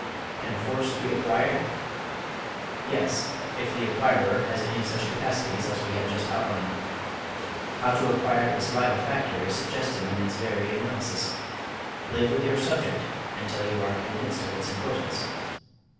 Can Force be Acquired? Yes, if the acquirer has any such capacities as we have just outlined. How to acquire this vital factor is suggested in its very analysis: Live with your subject until you are convinced of its importance.